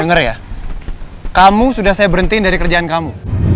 dengar ya kamu sudah saya berhentiin dari kerjaan kamu